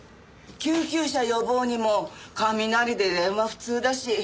救急車呼ぼうにも雷で電話不通だし。